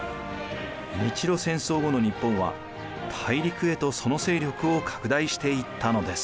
日露戦争後の日本は大陸へとその勢力を拡大していったのです。